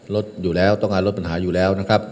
ลดอยู่แล้วต้องการลดปัญหาอยู่แล้วนะครับ